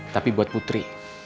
tapi buat putri